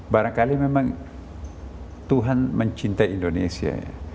barangkali memang tuhan mencintai indonesia